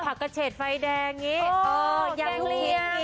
ผักเกอร์เฉดไฟแดงอย่างนี้